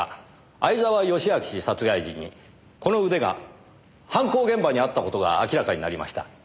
相沢良明氏殺害時にこの腕が犯行現場にあった事が明らかになりました。